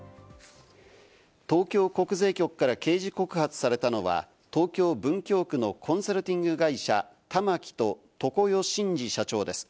東京国税局から刑事告発されたのは、東京・文京区のコンサルティング会社「たまき」と常世真司社長です。